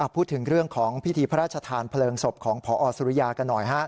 พูดถึงเรื่องของพิธีพระราชทานเพลิงศพของพอสุริยากันหน่อย